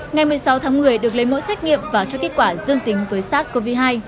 ngày một mươi sáu tháng một mươi được lấy mẫu xét nghiệm và cho kết quả dương tính với sars cov hai